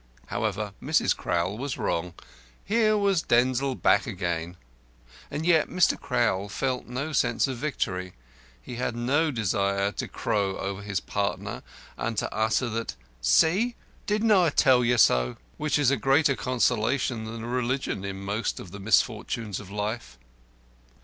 However, Mrs. Crowl was wrong. Here was Denzil back again. And yet Mr. Crowl felt no sense of victory. He had no desire to crow over his partner and to utter that "See! didn't I tell you so?" which is a greater consolation than religion in most of the misfortunes of life.